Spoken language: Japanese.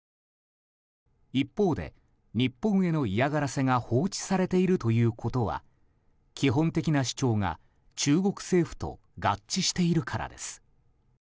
一方、日本への嫌がらせが放置されているということは基本的な主張が、中国政府と合致しているからです。